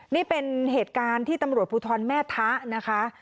นี่เป็นเหตุการณ์ที่ตำรวจภูทรแม่ทะนะคะ